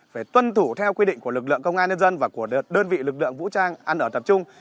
phải tuân thủ theo quy định của lực lượng công an nhân dân và của đơn vị lực lượng vũ trang ăn ở tập trung